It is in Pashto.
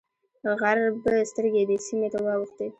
غرب سترګې دې سیمې ته واوښتې.